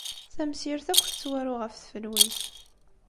Tamsirt akk tettwaru ɣef tfelwit.